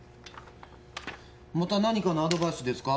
また何かのアドバイスですか？